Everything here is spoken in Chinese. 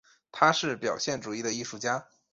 他是表现主义的艺术家。